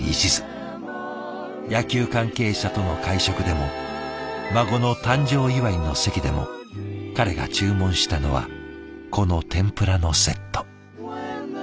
野球関係者との会食でも孫の誕生祝いの席でも彼が注文したのはこの天ぷらのセット。